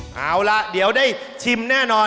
เอาล่ะเดี๋ยวได้ชิมแน่นอน